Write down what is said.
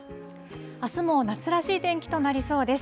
あすも夏らしい天気となりそうです。